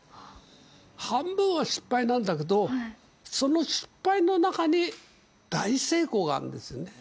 半分は失敗なんだけど、その失敗の中に、大成功があるんですよね。